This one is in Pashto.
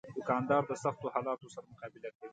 دوکاندار د سختو حالاتو سره مقابله کوي.